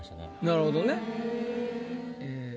なるほどね。